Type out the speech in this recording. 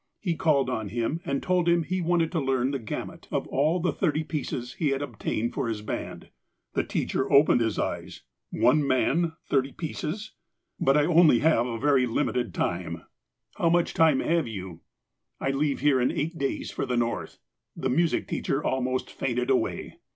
He called on him and told him he wanted to learn the gamut of all the thirty pieces he had obtained for his band. The teacher opened his eyes. One man, thirty pieces !'■'■ But I have only a very limited time." '' How much time have you"? "" I leave here in eight days for the North." The music teacher almost fainted away.